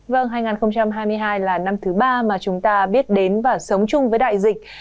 vâng hai nghìn hai mươi hai là năm thứ ba mà chúng ta biết đến và sống chung với đại dịch